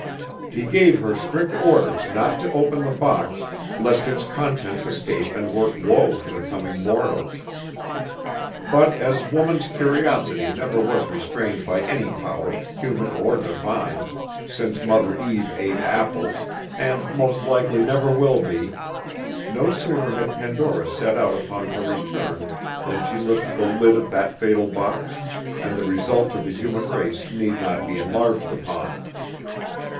He gave her strict orders not to open the box, lest its contents escape and work woe to the coming mortals. But as woman's curiosity never was restrained by any power, human or divine, since Mother Eve ate apples, and most likely never will be, no sooner had Pandora set out upon her return than she lifted the lid of that fatal box, and the result to the human race need not be enlarged upon.